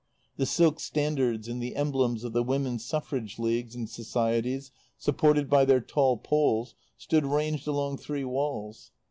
The silk standards and the emblems of the Women's Suffrage Leagues and Societies, supported by their tall poles, stood ranged along three walls.